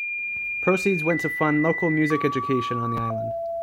Proceeds went to fund local music education on the island.